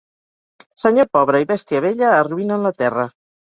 Senyor pobre i bèstia vella arruïnen la terra.